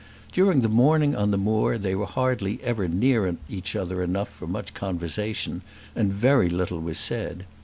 During the morning on the moor they were hardly ever near enough each other for much conversation, and very little was said.